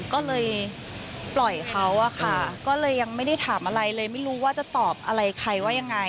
ก็เลยปล่อยเขาอะค่ะก็เลยยังไม่ได้ถามอะไรเลยไม่รู้ว่าจะตอบอะไรใครว่ายังไง